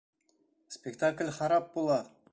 Спектакль харап була!